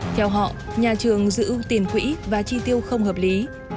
theo họ nhà trường giữ tiền quỹ và chi tiêu không hợp lý